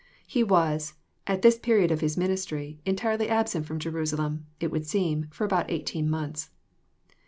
He was, at this period of His ministry, entirely absent from Jerusalem, it would seem, for about eighteen months.